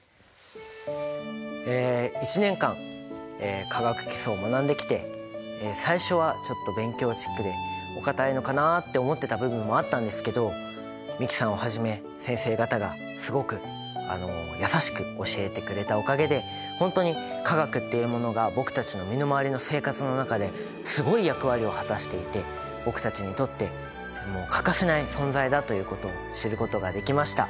え１年間「化学基礎」を学んできて最初はちょっと勉強チックでお堅いのかなあって思ってた部分もあったんですけど美樹さんをはじめ先生方がすごく優しく教えてくれたおかげで本当に化学っていうものが僕たちの身の回りの生活の中ですごい役割を果たしていて僕たちにとって欠かせない存在だということを知ることができました。